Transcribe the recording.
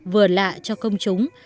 vừa lạ cho công chúng